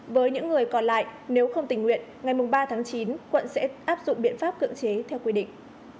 với những người còn lại nếu không tình nguyện ngày ba tháng chín quận sẽ áp dụng biện pháp cưỡng chế theo quy định